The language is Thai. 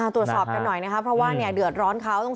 ตรวจสอบกันหน่อยนะครับเพราะว่าเดือดร้อนเขา